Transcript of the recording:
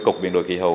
cục biến đổi khí hậu